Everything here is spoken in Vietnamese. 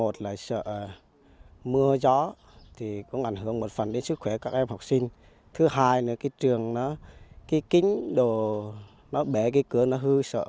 thì cũng ảnh hưởng một phần đến sức khỏe các em học sinh thứ hai nữa cái trường nó cái kính đồ nó bẻ cái cửa nó hư sợ